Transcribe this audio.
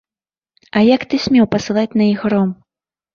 А як ты смеў пасылаць на іх гром?